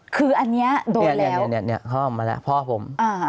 คืออันนี้โดดแล้วเนี่ยพ่อผม